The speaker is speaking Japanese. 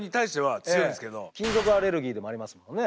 金属アレルギーでもありますもんね。